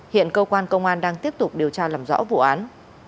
hiện cơ quan công an đang tiếp tục điều tra làm rõ vụ án